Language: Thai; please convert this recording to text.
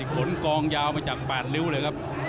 ถึงขนกรองยาวมาจาก๘นิ้วเลยครับ